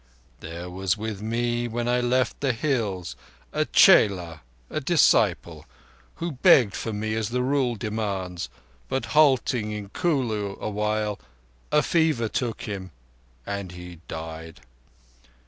There was with me when I left the hills a chela (disciple) who begged for me as the Rule demands, but halting in Kulu awhile a fever took him and he died.